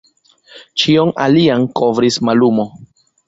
Ĉion alian kovris mallumo.